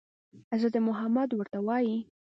حضرت محمد ورته وايي.